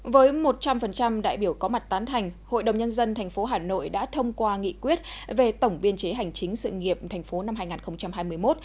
với một trăm linh đại biểu có mặt tán thành hội đồng nhân dân tp hà nội đã thông qua nghị quyết về tổng biên chế hành chính sự nghiệp thành phố năm hai nghìn hai mươi một